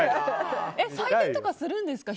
採点とかするんですか？